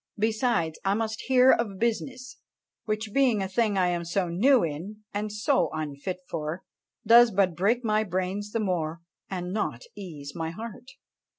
Besides, I must hear of business, which being a thing I am so new in, and so unfit for, does but break my brains the more, and not ease my heart."